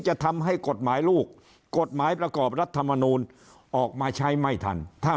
จะทำให้กฎหมายลูกกฎหมายประกอบรัฐมนูลออกมาใช้ไม่ทันถ้า